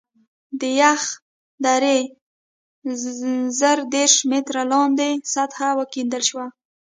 د یخ درې زره دېرش متره لاندې سطحه وکیندل شوه